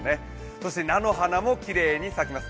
そして菜の花もきれいに咲きます